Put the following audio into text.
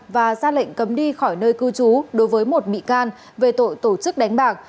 và ra lệnh cấm đi khỏi nơi cư trú đối với một bị can về tội tổ chức đánh bạc